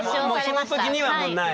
その時にはもうない？